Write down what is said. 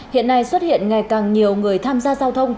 hiện nay xuất hiện ngày càng nhiều người tham gia giao thông